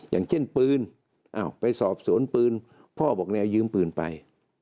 อย่างเช่นปืนไปสอบสวนปืนพ่อบอกเนี่ยยืมปืนไป